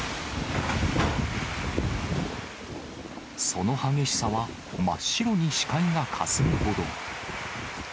その激しさは、真っ白に視界がかすむほど。